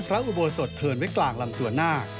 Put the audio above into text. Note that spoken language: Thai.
อุโบสถเทินไว้กลางลำตัวหน้า